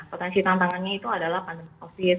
potensi tantangannya itu adalah pandemi covid